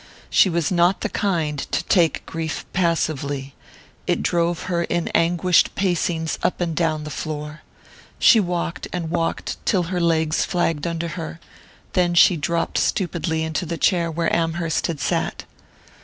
She was not the kind to take grief passively it drove her in anguished pacings up and down the floor. She walked and walked till her legs flagged under her; then she dropped stupidly into the chair where Amherst had sat....